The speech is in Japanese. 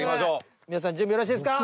皆さん準備よろしいですか？